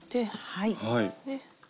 はい。